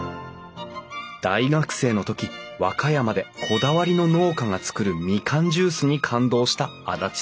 大学生の時和歌山でこだわりの農家が作るみかんジュースに感動した安達さん。